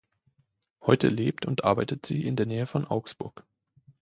Heute lebt und arbeitet sie in der Nähe von Augsburg.